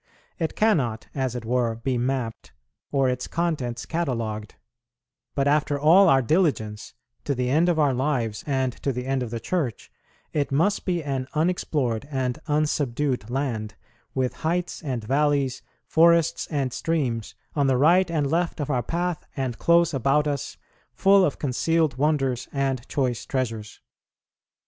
It cannot, as it were, be mapped, or its contents catalogued; but after all our diligence, to the end of our lives and to the end of the Church, it must be an unexplored and unsubdued land, with heights and valleys, forests and streams, on the right and left of our path and close about us, full of concealed wonders and choice treasures.